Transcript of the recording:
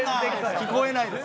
聞こえないです。